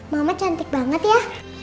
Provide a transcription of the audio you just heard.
mama cantik banget ya